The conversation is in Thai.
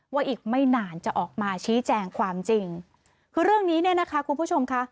อีกไม่นานจะออกมาชี้แจงความจริงคือเรื่องนี้เนี่ยนะคะคุณผู้ชมค่ะ